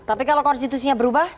tapi kalau konstitusinya berubah